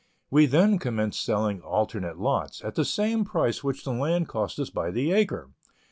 We then commenced selling alternate lots, at the same price which the land cost us by the acre.